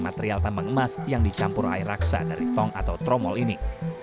material tambang emas yang dicampur air raksa dari tong atau tromol ini